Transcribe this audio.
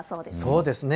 そうですね。